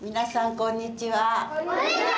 こんにちは！